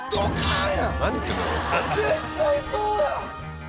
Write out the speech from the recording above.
もう絶対そうやん！